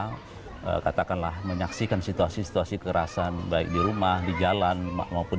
kita katakanlah menyaksikan situasi situasi kekerasan baik di rumah di jalan maupun di